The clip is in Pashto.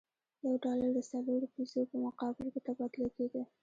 یو ډالر د څلورو پیزو په مقابل کې تبادله کېده.